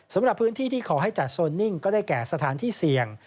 สำหรับพื้นที่ที่ขอให้จัดโซนนิ่งก็ได้แก่สถานที่เสี่ยง